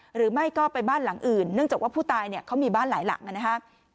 หรือไม่ก็ไปบ้านหลังอื่นเนื่องจากว่าผู้ตายเนี่ยเขามีบ้านหลายหลังนะครับ